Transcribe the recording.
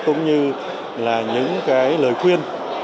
cũng như là những lời khuyên